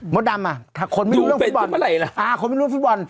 มดดำอ่ะถ้าคนไม่รู้เรื่องฟิฟิตบอลอ่าคนไม่รู้เรื่องฟิฟิตบอล